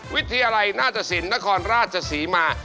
วิทยาลัยน่าจะสินนครราชสีมา